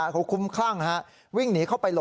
เขาคุ้มคร่างวิ่งหนีเข้าไป